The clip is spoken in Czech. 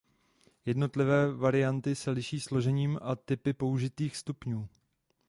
Jednotlivé varianty se liší složením a typy použitých stupňů.